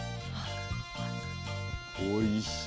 おいしい。